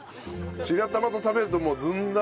白玉と食べるともうずんだ。